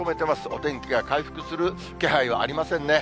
お天気が回復する気配はありませんね。